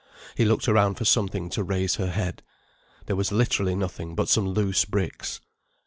He looked around for something to raise her head. There was literally nothing but some loose bricks.